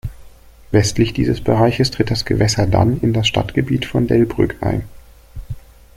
Westlich dieses Bereiches tritt das Gewässer dann in das Stadtgebiet von Delbrück ein.